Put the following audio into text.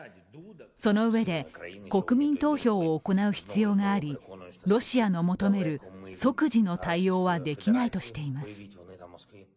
そのうえで、国民投票を行う必要があり、ロシアの求める即時の対応はできないとしています。